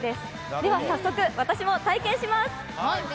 では早速、私も体験します！